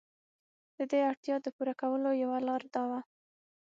د دې اړتیا د پوره کولو یوه لار دا وه.